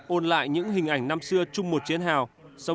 ôn lại những hình ảnh năm xưa chung một chiến hào